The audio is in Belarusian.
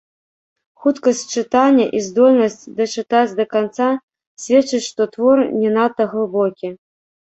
Хуткасць чытання і здольнасць дачытаць да канца сведчыць, што твор не надта глыбокі.